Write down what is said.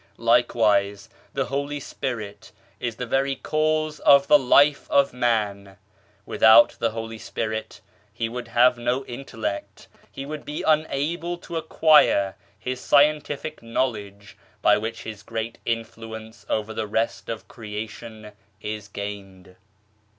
Likewise the Holy Spirit is the very cause of the Life of Man ; without the Holy Spirit he would have no intellect, he would be unable to acquire his scientific knowledge by which kis great influence over the rest of creation is gained.